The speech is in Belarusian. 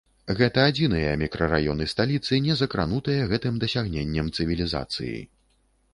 Гэта адзіныя мікрараёны сталіцы, не закранутыя гэтым дасягненнем цывілізацыі.